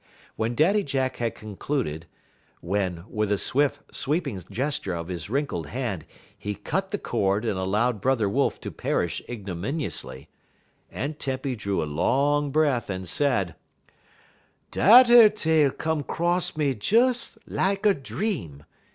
When Daddy Jack had concluded when, with a swift, sweeping gesture of his wrinkled hand, he cut the cord and allowed Brother Wolf to perish ignominiously Aunt Tempy drew a long breath, and said: "Dat ar tale come 'cross me des like a dream.